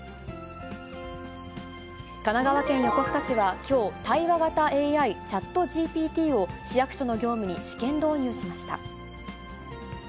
神奈川県横須賀市はきょう、対話型ＡＩ、チャットＧＰＴを市役所の業務に試験導入しました。